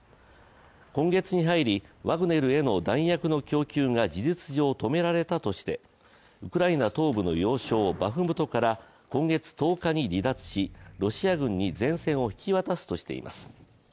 今月に入りワグネルへの弾薬の供給が事実上、止められたとしてウクライナ東部の要衝バフムトから今月１０日に離脱しロシア軍に前線を引き渡すとしています。